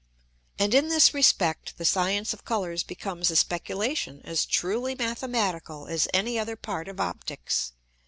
And in this respect the Science of Colours becomes a Speculation as truly mathematical as any other part of Opticks.